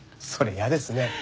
それ嫌ですね。